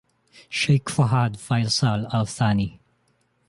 Sheikh Fahad Faisal Al-Thani.